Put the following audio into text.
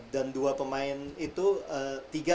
dan dua pemain itu ee